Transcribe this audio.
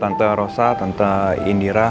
tante rosa tante indira